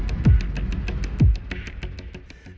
tugas yang diperoleh adalah berdiri